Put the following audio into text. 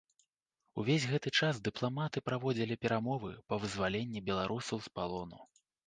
Увесь гэты час дыпламаты праводзілі перамовы па вызваленні беларусаў з палону.